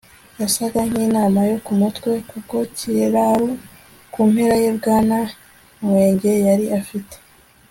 yasaga nkinama yo kumutwe ku kiraro. ku mpera ye, bwana nwege yari afite